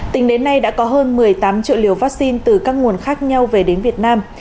tính đến nay đã có hơn một mươi tám triệu liều vaccine từ các nguồn khác nhau về đến việt nam